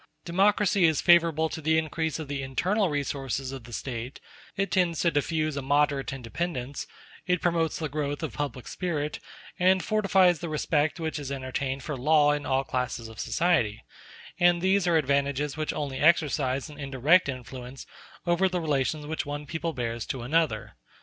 Democracy is favorable to the increase of the internal resources of the State; it tends to diffuse a moderate independence; it promotes the growth of public spirit, and fortifies the respect which is entertained for law in all classes of society; and these are advantages which only exercise an indirect influence over the relations which one people bears to another.